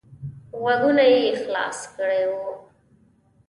غوږونه یې خلاص کړي وو.